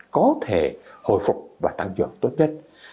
có thể hồi phục và tăng trưởng tốt nhất